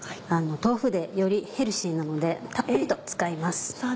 豆腐でよりヘルシーなのでたっぷりと使います。